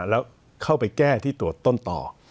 แล้วเข้าไปแก้ที่ตรวจต้นต่อ